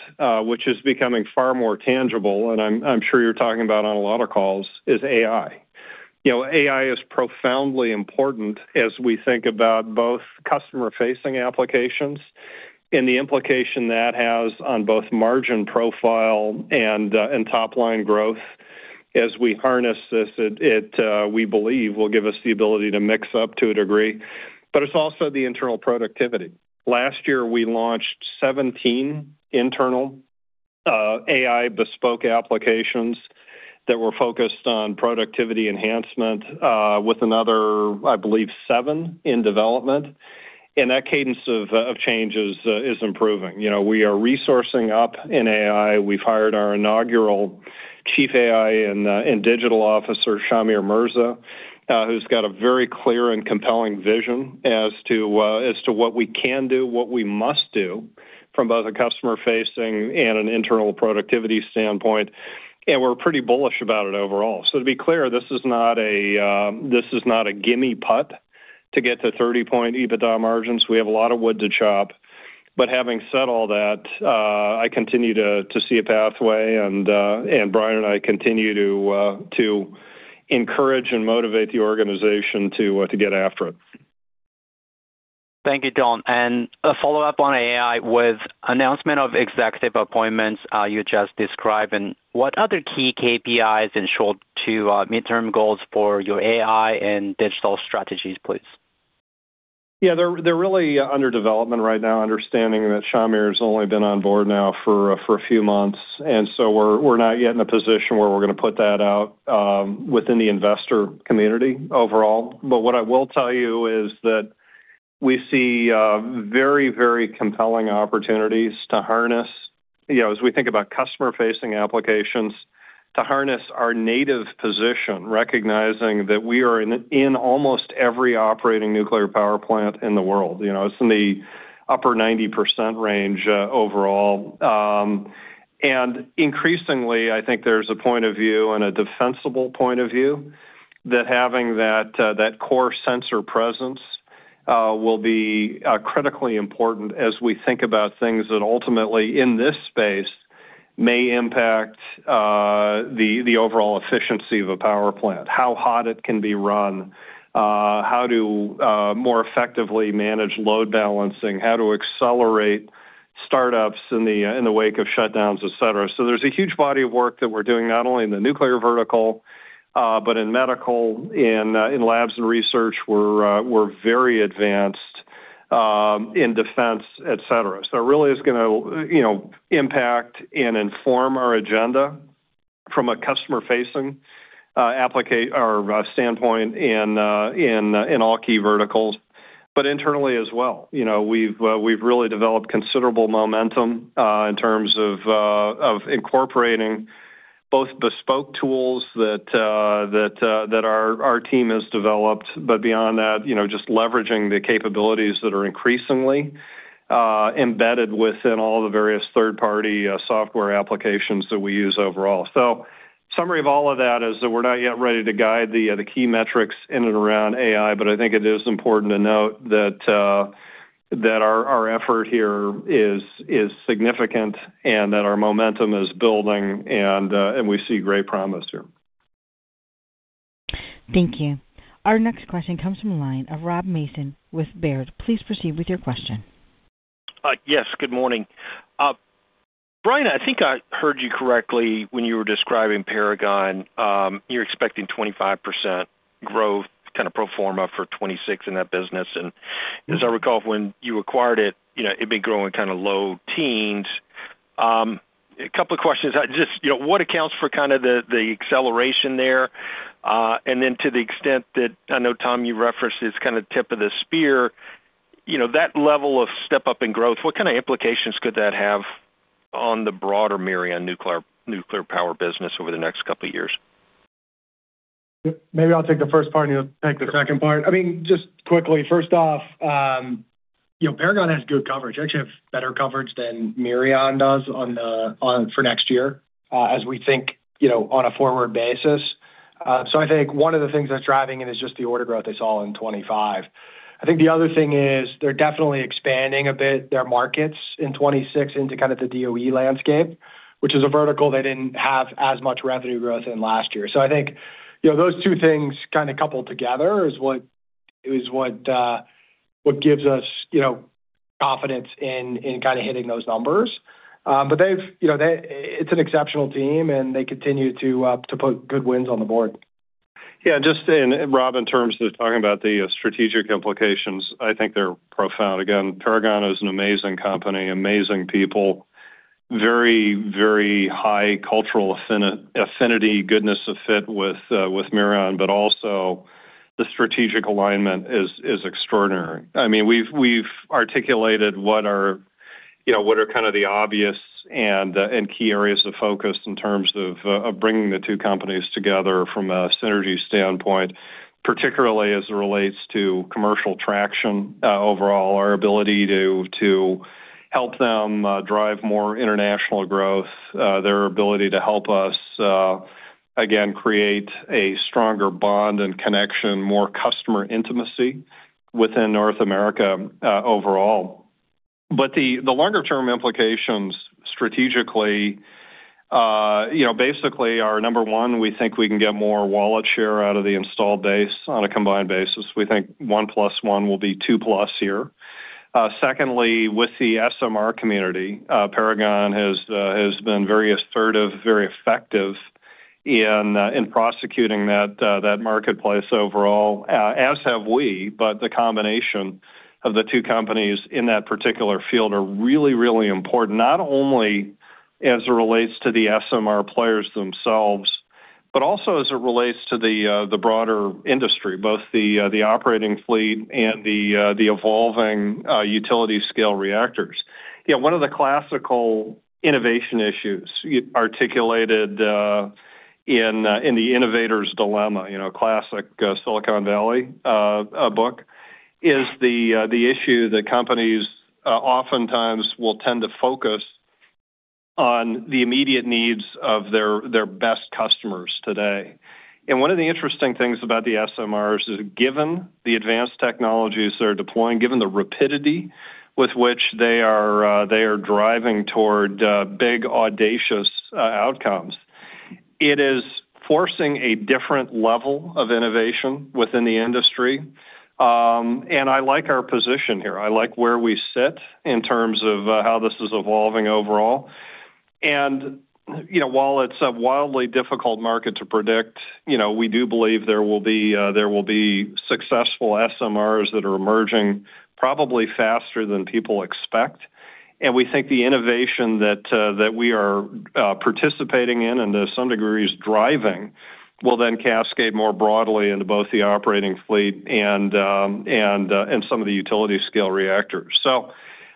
which is becoming far more tangible, and I'm sure you're talking about on a lot of calls, is AI. AI is profoundly important as we think about both customer-facing applications and the implication that has on both margin profile and top-line growth. As we harness this, we believe will give us the ability to mix up to a degree. But it's also the internal productivity. Last year, we launched 17 internal AI bespoke applications that were focused on productivity enhancement with another, I believe, seven in development. And that cadence of changes is improving. We are resourcing up in AI. We've hired our inaugural Chief AI and Digital Officer, Shahmeer Mirza, who's got a very clear and compelling vision as to what we can do, what we must do from both a customer-facing and an internal productivity standpoint. And we're pretty bullish about it overall. To be clear, this is not a gimme putt to get to 30-point EBITDA margins. We have a lot of wood to chop. Having said all that, I continue to see a pathway, and Brian and I continue to encourage and motivate the organization to get after it. Thank you, Tom. A follow-up on AI with announcement of executive appointments you just described. What other key KPIs and short-to-mid-term goals for your AI and digital strategies, please? Yeah, they're really under development right now, understanding that Shahmeer's only been on board now for a few months. So we're not yet in a position where we're going to put that out within the investor community overall. But what I will tell you is that we see very, very compelling opportunities to harness, as we think about customer-facing applications, to harness our native position, recognizing that we are in almost every operating nuclear power plant in the world. It's in the upper 90% range overall. Increasingly, I think there's a point of view and a defensible point of view that having that core sensor presence will be critically important as we think about things that ultimately in this space may impact the overall efficiency of a power plant, how hot it can be run, how to more effectively manage load balancing, how to accelerate startups in the wake of shutdowns, etc. So there's a huge body of work that we're doing not only in the nuclear vertical, but in medical, in labs and research. We're very advanced in defense, etc. So it really is going to impact and inform our agenda from a customer-facing standpoint in all key verticals, but internally as well. We've really developed considerable momentum in terms of incorporating both bespoke tools that our team has developed, but beyond that, just leveraging the capabilities that are increasingly embedded within all the various third-party software applications that we use overall. So summary of all of that is that we're not yet ready to guide the key metrics in and around AI, but I think it is important to note that our effort here is significant and that our momentum is building, and we see great promise here. Thank you. Our next question comes from a line of Rob Mason with Baird. Please proceed with your question. Yes. Good morning. Brian, I think I heard you correctly when you were describing Paragon. You're expecting 25% growth, kind of pro forma for 2026 in that business. And as I recall, when you acquired it, it'd been growing kind of low teens. A couple of questions. Just what accounts for kind of the acceleration there? And then to the extent that I know, Tom, you referenced this kind of tip of the spear, that level of step-up in growth, what kind of implications could that have on the broader Mirion nuclear power business over the next couple of years? Maybe I'll take the first part, and you'll take the second part. I mean, just quickly, first off, Paragon has good coverage. They actually have better coverage than Mirion does for next year as we think on a forward basis. So I think one of the things that's driving it is just the order growth they saw in 2025. I think the other thing is they're definitely expanding a bit their markets in 2026 into kind of the DOE landscape, which is a vertical they didn't have as much revenue growth in last year. So I think those two things kind of coupled together is what gives us confidence in kind of hitting those numbers. But it's an exceptional team, and they continue to put good wins on the board. Yeah. Just Rob, in terms of talking about the strategic implications, I think they're profound. Again, Paragon is an amazing company, amazing people, very, very high cultural affinity, goodness of fit with Mirion, but also the strategic alignment is extraordinary. I mean, we've articulated what are kind of the obvious and key areas of focus in terms of bringing the two companies together from a synergy standpoint, particularly as it relates to commercial traction overall, our ability to help them drive more international growth, their ability to help us, again, create a stronger bond and connection, more customer intimacy within North America overall. But the longer-term implications strategically, basically, are number one, we think we can get more wallet share out of the installed base on a combined basis. We think one plus one will be two plus here. Secondly, with the SMR community, Paragon has been very assertive, very effective in prosecuting that marketplace overall, as have we. But the combination of the two companies in that particular field are really, really important, not only as it relates to the SMR players themselves, but also as it relates to the broader industry, both the operating fleet and the evolving utility-scale reactors. Yeah, one of the classical innovation issues articulated in the Innovator's Dilemma, classic Silicon Valley book, is the issue that companies oftentimes will tend to focus on the immediate needs of their best customers today. And one of the interesting things about the SMRs is given the advanced technologies they're deploying, given the rapidity with which they are driving toward big, audacious outcomes, it is forcing a different level of innovation within the industry. And I like our position here. I like where we sit in terms of how this is evolving overall. While it's a wildly difficult market to predict, we do believe there will be successful SMRs that are emerging probably faster than people expect. We think the innovation that we are participating in and to some degree is driving will then cascade more broadly into both the operating fleet and some of the utility-scale reactors.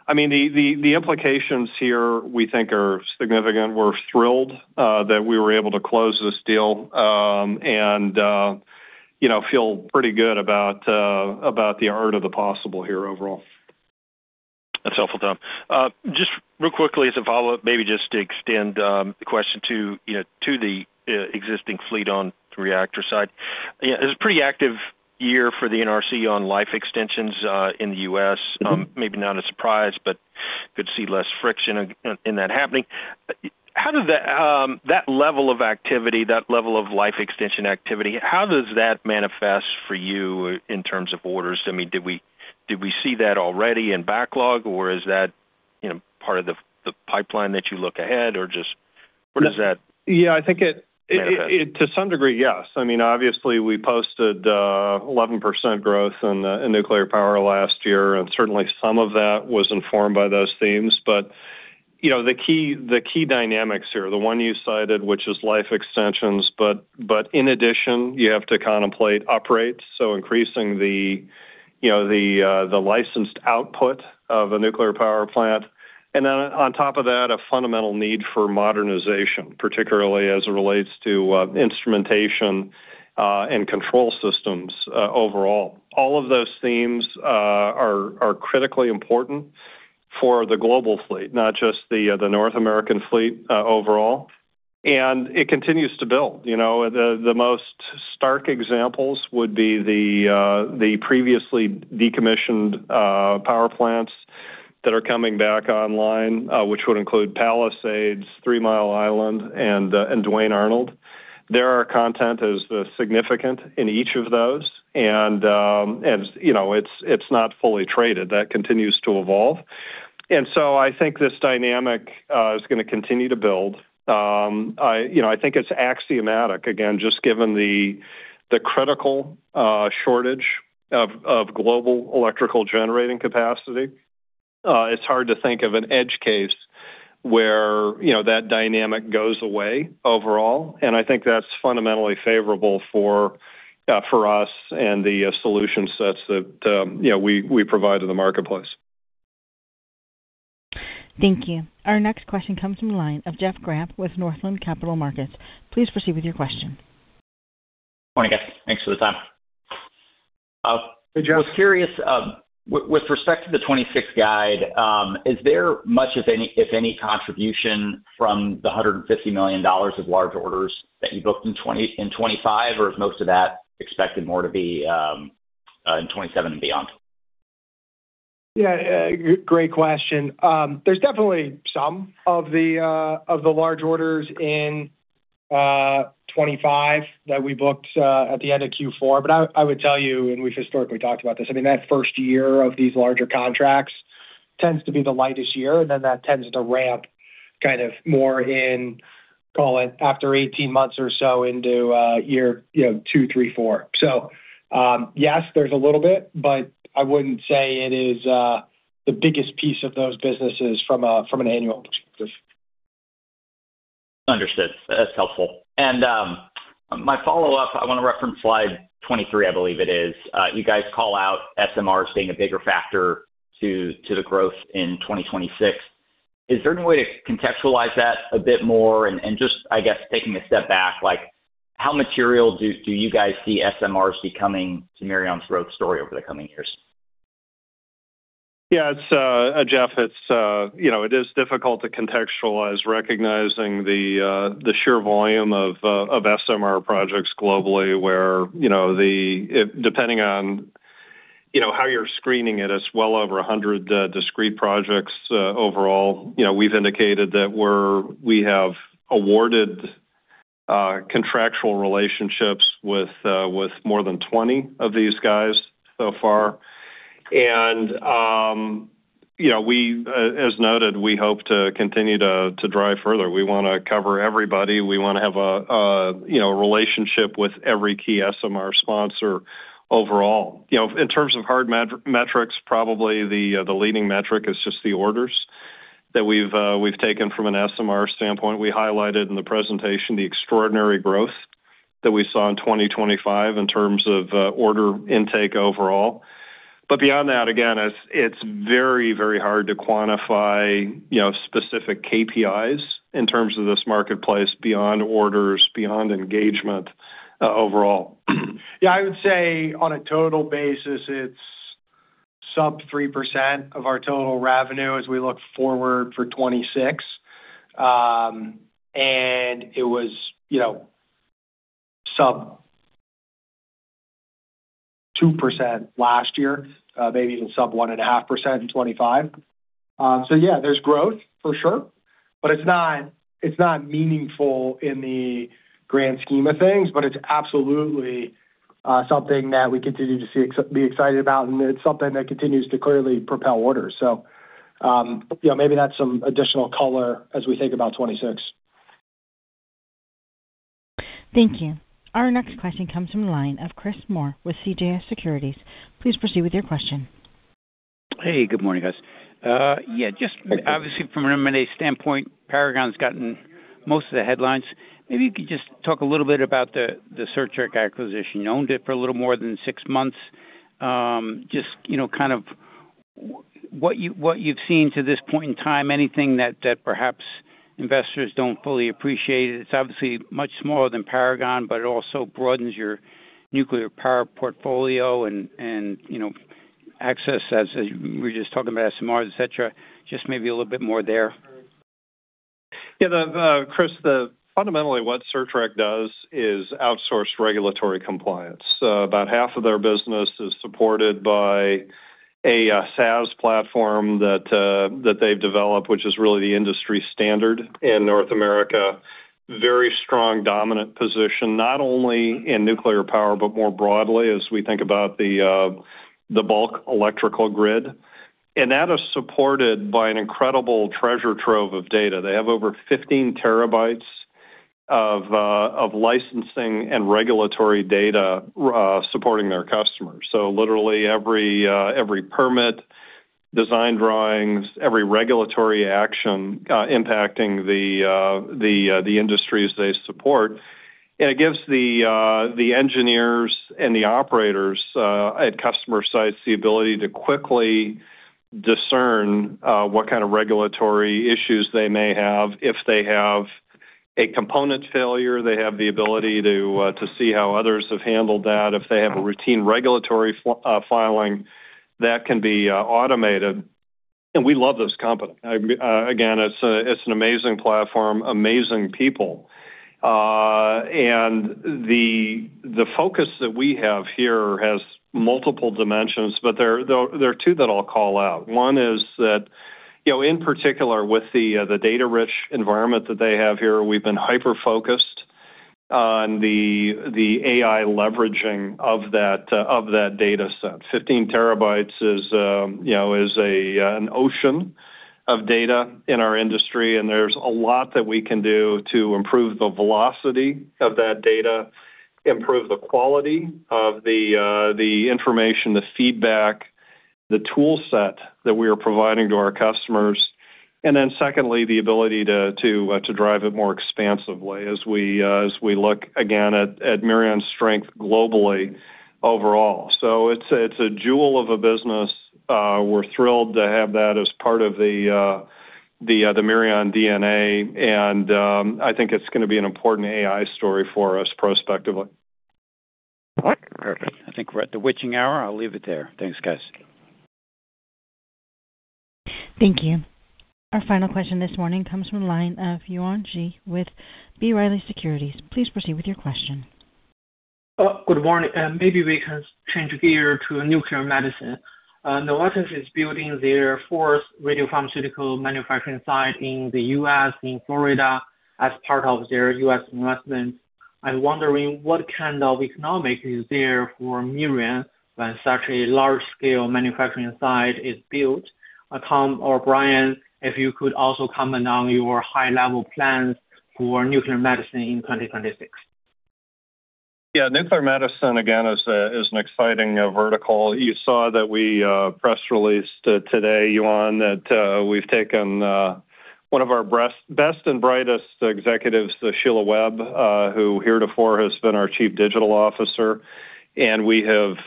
I mean, the implications here we think are significant. We're thrilled that we were able to close this deal and feel pretty good about the art of the possible here overall. That's helpful, Tom. Just real quickly, as a follow-up, maybe just to extend the question to the existing fleet on the reactor side. It's a pretty active year for the NRC on life extensions in the U.S. Maybe not a surprise, but could see less friction in that happening. How does that level of activity, that level of life extension activity, how does that manifest for you in terms of orders? I mean, did we see that already in backlog, or is that part of the pipeline that you look ahead, or just where does that manifest? Yeah, I think it to some degree, yes. I mean, obviously, we posted 11% growth in nuclear power last year, and certainly some of that was informed by those themes. But the key dynamics here, the one you cited, which is life extensions, but in addition, you have to contemplate uprates, so increasing the licensed output of a nuclear power plant. And then on top of that, a fundamental need for modernization, particularly as it relates to instrumentation and control systems overall. All of those themes are critically important for the global fleet, not just the North American fleet overall. And it continues to build. The most stark examples would be the previously decommissioned power plants that are coming back online, which would include Palisades, Three Mile Island, and Duane Arnold. Their content is significant in each of those, and it's not fully traded. That continues to evolve. So I think this dynamic is going to continue to build. I think it's axiomatic, again, just given the critical shortage of global electrical generating capacity. It's hard to think of an edge case where that dynamic goes away overall. And I think that's fundamentally favorable for us and the solution sets that we provide to the marketplace. Thank you. Our next question comes from a line of Jeff Grampp with Northland Capital Markets. Please proceed with your question. Morning, guys. Thanks for the time. I was curious, with respect to the 2026 guide, is there much, if any, contribution from the $150 million of large orders that you booked in 2025, or is most of that expected more to be in 2027 and beyond? Yeah, great question. There's definitely some of the large orders in 2025 that we booked at the end of Q4. But I would tell you, and we've historically talked about this, I mean, that first year of these larger contracts tends to be the lightest year, and then that tends to ramp kind of more in, call it, after 18 months or so into year two, three, four. So yes, there's a little bit, but I wouldn't say it is the biggest piece of those businesses from an annual perspective. Understood. That's helpful. And my follow-up, I want to reference slide 23, I believe it is. You guys call out SMRs being a bigger factor to the growth in 2026. Is there any way to contextualize that a bit more? And just, I guess, taking a step back, how material do you guys see SMRs becoming to Mirion's growth story over the coming years? Yeah, Jeff, it is difficult to contextualize, recognizing the sheer volume of SMR projects globally where depending on how you're screening it, it's well over 100 discrete projects overall. We've indicated that we have awarded contractual relationships with more than 20 of these guys so far. And as noted, we hope to continue to drive further. We want to cover everybody. We want to have a relationship with every key SMR sponsor overall. In terms of hard metrics, probably the leading metric is just the orders that we've taken from an SMR standpoint. We highlighted in the presentation the extraordinary growth that we saw in 2025 in terms of order intake overall. But beyond that, again, it's very, very hard to quantify specific KPIs in terms of this marketplace beyond orders, beyond engagement overall. Yeah, I would say on a total basis, it's sub 3% of our total revenue as we look forward for 2026. It was sub 2% last year, maybe even sub 1.5% in 2025. Yeah, there's growth for sure. It's not meaningful in the grand scheme of things, but it's absolutely something that we continue to be excited about, and it's something that continues to clearly propel orders. Maybe that's some additional color as we think about 2026. Thank you. Our next question comes from a line of Chris Moore with CJS Securities. Please proceed with your question. Hey, good morning, guys. Yeah, just obviously, from an M&A standpoint, Paragon's gotten most of the headlines. Maybe you could just talk a little bit about the Certrec acquisition. You owned it for a little more than six months. Just kind of what you've seen to this point in time, anything that perhaps investors don't fully appreciate. It's obviously much smaller than Paragon, but it also broadens your nuclear power portfolio and access, as we were just talking about SMRs, etc. Just maybe a little bit more there. Yeah, Chris, fundamentally, what Certrec does is outsource regulatory compliance. About half of their business is supported by a SaaS platform that they've developed, which is really the industry standard in North America, very strong dominant position, not only in nuclear power, but more broadly as we think about the bulk electrical grid. And that is supported by an incredible treasure trove of data. They have over 15 TB of licensing and regulatory data supporting their customers. So literally, every permit, design drawings, every regulatory action impacting the industries they support. And it gives the engineers and the operators at customer sites the ability to quickly discern what kind of regulatory issues they may have. If they have a component failure, they have the ability to see how others have handled that. If they have a routine regulatory filing, that can be automated. And we love this company. Again, it's an amazing platform, amazing people. The focus that we have here has multiple dimensions, but there are two that I'll call out. One is that, in particular, with the data-rich environment that they have here, we've been hyper-focused on the AI leveraging of that data set. 15 TB is an ocean of data in our industry, and there's a lot that we can do to improve the velocity of that data, improve the quality of the information, the feedback, the toolset that we are providing to our customers. And then secondly, the ability to drive it more expansively as we look, again, at Mirion's strength globally overall. It's a jewel of a business. We're thrilled to have that as part of the Mirion DNA, and I think it's going to be an important AI story for us prospectively. All right. Perfect. I think we're at the witching hour. I'll leave it there. Thanks, guys. Thank you. Our final question this morning comes from a line of Yuan Zhi with B. Riley Securities. Please proceed with your question. Good morning. Maybe we can change gear to nuclear medicine. Novartis is building their fourth radiopharmaceutical manufacturing site in the U.S., in Florida, as part of their U.S. investments. I'm wondering what kind of economics is there for Mirion when such a large-scale manufacturing site is built? Tom or Brian, if you could also comment on your high-level plans for nuclear medicine in 2026. Yeah, nuclear medicine, again, is an exciting vertical. You saw that we press-released today, Yuan, that we've taken one of our best and brightest executives, Sheila Webb, who here before has been our Chief Digital Officer, and we have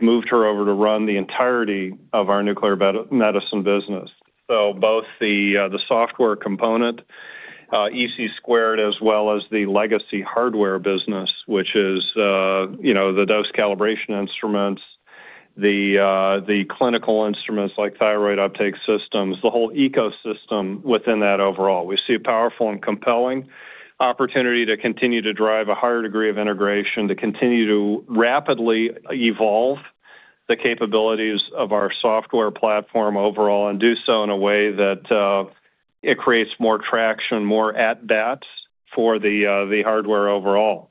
moved her over to run the entirety of our nuclear medicine business. So both the software component, EC Squared, as well as the legacy hardware business, which is the dose calibration instruments, the clinical instruments like thyroid uptake systems, the whole ecosystem within that overall. We see a powerful and compelling opportunity to continue to drive a higher degree of integration, to continue to rapidly evolve the capabilities of our software platform overall, and do so in a way that it creates more traction, more at-bats for the hardware overall.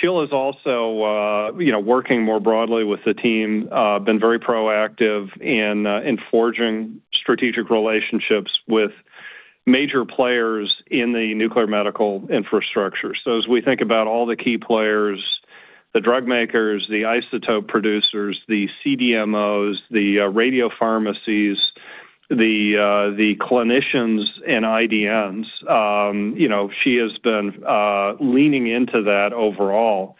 Sheila is also working more broadly with the team, been very proactive in forging strategic relationships with major players in the nuclear medicine infrastructure. As we think about all the key players, the drug makers, the isotope producers, the CDMOs, the radiopharmacies, the clinicians and IDNs, she has been leaning into that overall.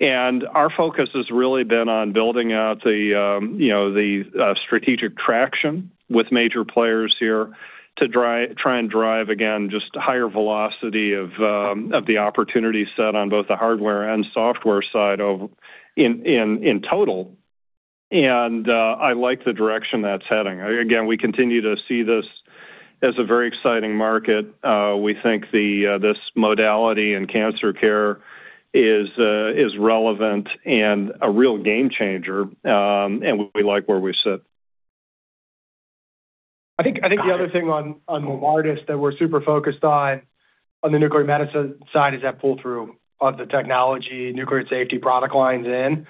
Our focus has really been on building out the strategic traction with major players here to try and drive, again, just higher velocity of the opportunity set on both the hardware and software side in total. I like the direction that's heading. Again, we continue to see this as a very exciting market. We think this modality in cancer care is relevant and a real game changer, and we like where we sit. I think the other thing on Novartis that we're super focused on on the nuclear medicine side is that pull-through of the technology, nuclear safety product lines in.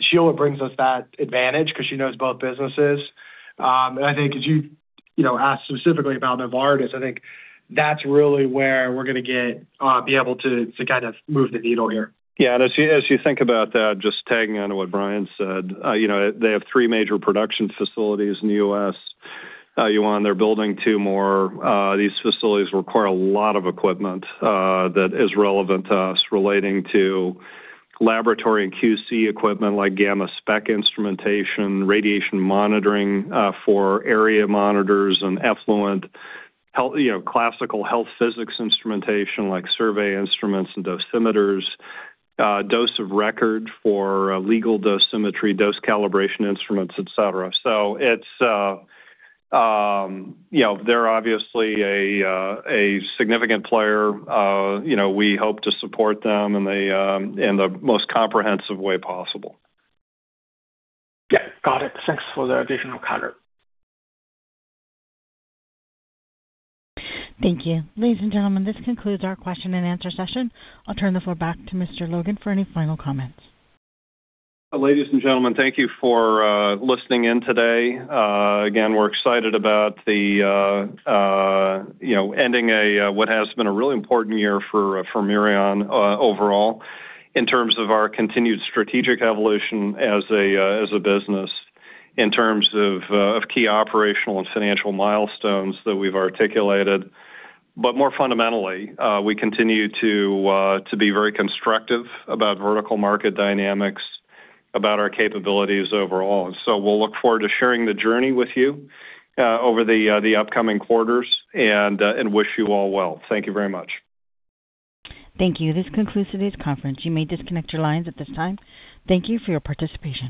Sheila brings us that advantage because she knows both businesses. And I think as you asked specifically about Novartis, I think that's really where we're going to be able to kind of move the needle here. Yeah, and as you think about that, just tagging onto what Brian said, they have three major production facilities in the U.S., Yuan. They're building two more. These facilities require a lot of equipment that is relevant to us relating to laboratory and QC equipment like gamma spec instrumentation, radiation monitoring for area monitors and effluent, classical health physics instrumentation like survey instruments and dosimeters, dose of record for legal dosimetry, dose calibration instruments, etc. So they're obviously a significant player. We hope to support them in the most comprehensive way possible. Yeah, got it. Thanks for the additional color. Thank you. Ladies and gentlemen, this concludes our question-and-answer session. I'll turn the floor back to Mr. Logan for any final comments. Ladies and gentlemen, thank you for listening in today. Again, we're excited about ending what has been a really important year for Mirion overall in terms of our continued strategic evolution as a business, in terms of key operational and financial milestones that we've articulated. But more fundamentally, we continue to be very constructive about vertical market dynamics, about our capabilities overall. So we'll look forward to sharing the journey with you over the upcoming quarters and wish you all well. Thank you very much. Thank you. This concludes today's conference. You may disconnect your lines at this time. Thank you for your participation.